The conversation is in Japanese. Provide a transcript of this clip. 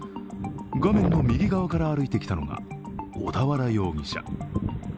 画面の右側から歩いてきたのが小田原容疑者。